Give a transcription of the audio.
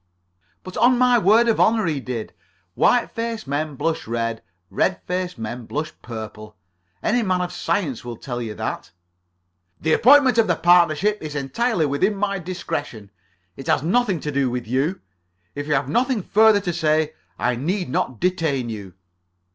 "But on my word of honor he did. White faced men blush red. Red faced men blush purple. Any man of science will tell you that." "The appointment of a partnership is entirely within my discretion. It has nothing to do with you. If you have nothing further to say, I need not detain you."